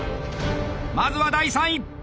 まずは第３位！